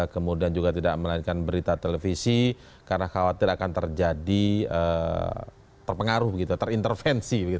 kemudian juga tidak melahirkan berita televisi karena khawatir akan terjadi terpengaruh begitu terintervensi